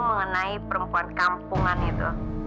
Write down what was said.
mengenai perempuan kampungan itu